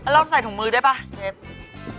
แล้วเราใส่ถุงมือได้ป่ะเชฟ